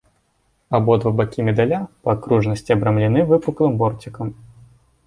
Абодва бакі медаля па акружнасці абрамлены выпуклым борцікам.